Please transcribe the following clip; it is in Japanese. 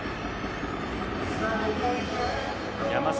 山崎